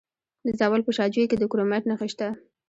د زابل په شاجوی کې د کرومایټ نښې شته.